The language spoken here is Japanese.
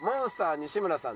西村さん